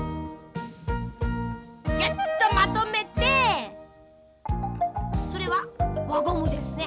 ギュッとまとめてそれはわゴムですね。